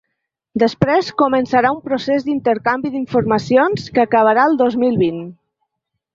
Després començarà un procés d’intercanvi d’informacions que acabarà el dos mil vint.